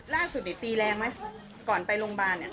ล่าสุดนี้ตีแรงไหมก่อนไปโรงพยาบาล